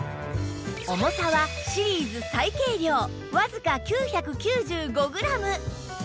重さはシリーズ最軽量わずか９９５グラム